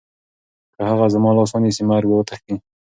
که هغه زما لاس ونیسي، مرګ به وتښتي.